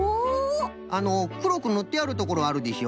あのくろくぬってあるところあるでしょ？